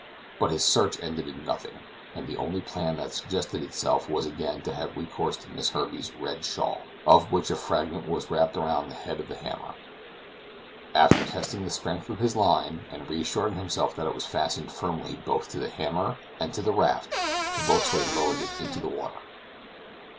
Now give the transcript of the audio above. But his search ended in nothing; and the only plan that suggested itself was again to have recourse to Miss Herbey's red shawl, of which a fragment was wrapped around the head of the hammer. After testing the strength of his line, and reassuring himself that it was fastened firmly both to the hammer and to the raft, the boatswain lowered it into the water.